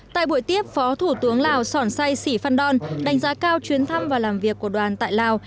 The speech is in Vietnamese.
tại buổi tiếp phó thủ tướng lào sòn say sì phan đon đánh giá cao chuyến thăm và làm việc của đoàn tại lào